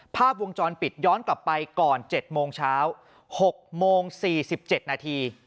ภาพวงจรปิดย้อนกลับไปก่อน๗โมงเช้า๖โมง๔๗นาที